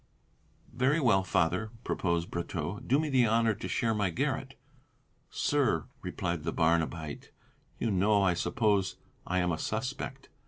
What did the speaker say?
"Very well, Father," proposed Brotteaux, "do me the honour to share my garret." "Sir," replied the Barnabite, "you know, I suppose, I am a suspect."